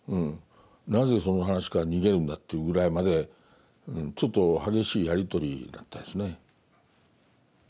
「なぜその話から逃げるんだ」というぐらいまでちょっと激しいやり取りだったですね。